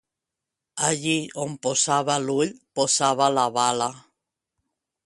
Allí on posava l'ull posava la bala.